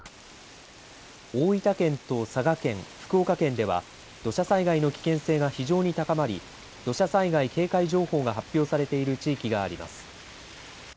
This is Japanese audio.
大分県と佐賀県、福岡県では土砂災害の危険性が非常に高まり土砂災害警戒情報が発表されている地域があります。